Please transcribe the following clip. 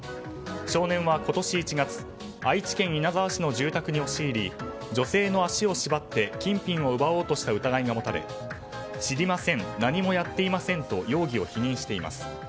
少年は今年１月愛知県稲沢市の住宅に押し入り女性の足を縛って金品を奪おうとした疑いが持たれ知りません何もやっていませんと容疑を否認しています。